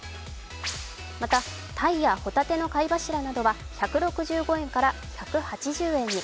また、タイやほたての貝柱などは１６５円から１８０円に。